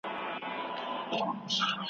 د لیکوالو تلینونه زموږ لپاره د تدبر فرصت دی.